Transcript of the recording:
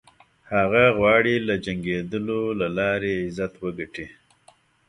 هغه غواړي له جنګېدلو له لارې عزت وګټي.